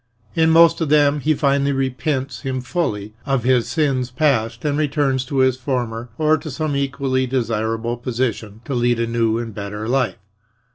In most of them he finally repents him fully of his sins past and returns to his former or to some equally desirable position, to lead a new and better life.